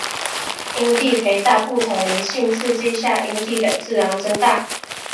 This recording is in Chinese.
阴蒂肥大不同于性刺激下阴蒂的自然增大。